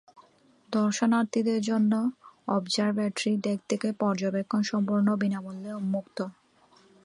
দর্শনার্থীদের জন্য observatory deck থেকে পর্যবেক্ষণ সম্পূর্ণ বিনামূল্যে উন্মুক্ত।